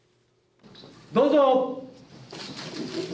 どうぞ。